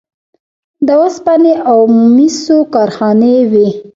د وسپنې او مسو کارخانې وې